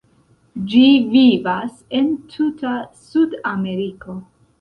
Ĝi vivas en tuta Sudameriko.